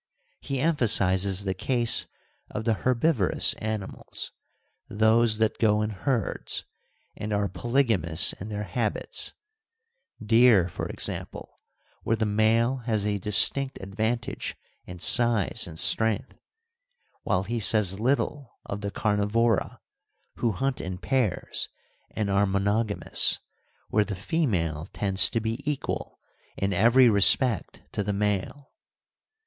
He emphasises the case of the herbivorous animals, those that go in herds, and are polygamous in their habits : deer, for example, where the male has a distinct advantage in size and strength ; while he says little of the carni vora, who hunt in pairs and are monogamous, where the female tends to be equal in every respect to the male.